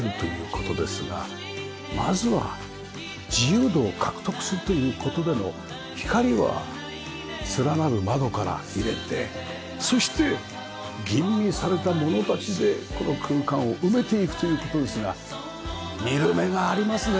まずは自由度を獲得するという事での光は連なる窓から入れてそして吟味されたものたちでこの空間を埋めていくという事ですが見る目がありますね。